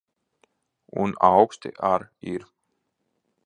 Un auksti ar ir.